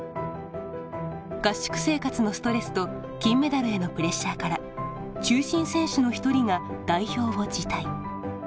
合宿生活のストレスと金メダルへのプレッシャーから中心選手の一人が代表を辞退。